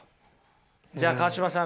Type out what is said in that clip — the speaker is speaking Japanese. じゃあ川島さん